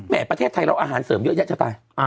ประเทศไทยเราอาหารเสริมเยอะแยะจะตาย